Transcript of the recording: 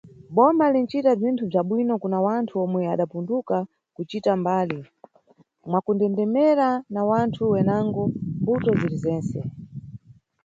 Boma linʼcita bzinthu bza bwino kuna wanthu omwe adapunduka kucita mbali, mwakundendemera na wanthu wenango, mʼmbuto ziri zentse.